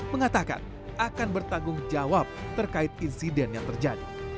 mengatakan akan bertanggung jawab terkait insiden yang terjadi